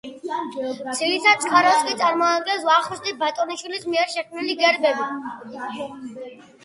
ძირითად წყაროს კი წარმოადგენს ვახუშტი ბატონიშვილის მიერ შექმნილი გერბები.